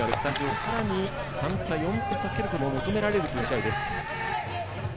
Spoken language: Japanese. さらに、３点差４点差つけることも求められるというこの試合です。